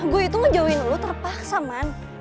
gue itu menjauhin lo terpaksa man